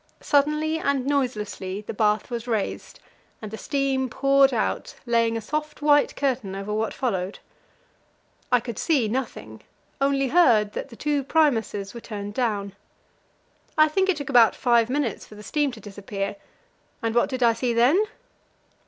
Suddenly and noiselessly the bath was raised, and the steam poured out, laying a soft white curtain over what followed. I could see nothing; only heard that the two Primuses were turned down. I think it took about five minutes for the steam to disappear, and what did I see then?